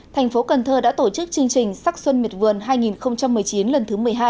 thành phố cần thơ đã tổ chức chương trình sắc xuân miệt vườn hai nghìn một mươi chín lần thứ một mươi hai